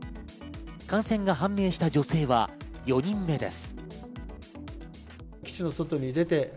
感染が判明した女性は４人目です。